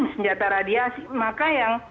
senjata radiasi maka yang